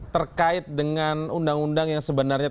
terkait dengan undang undang yang sebenarnya